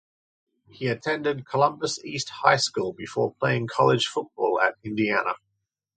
He attended Columbus East High School before playing college football at Indiana.